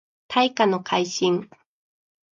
大化の改新